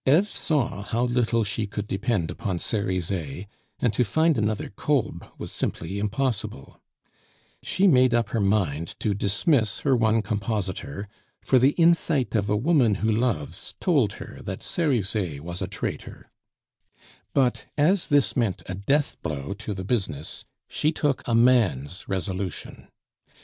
Eve saw how little she could depend upon Cerizet, and to find another Kolb was simply impossible; she made up her mind to dismiss her one compositor, for the insight of a woman who loves told her that Cerizet was a traitor; but as this meant a deathblow to the business, she took a man's resolution.